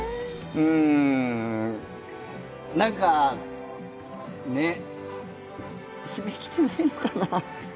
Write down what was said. うーん、なんか、ねっ、指名来てないのかな。